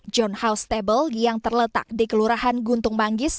john house table yang terletak di kelurahan guntung manggis